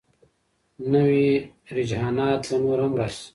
نوي رجحانات به نور هم راشي.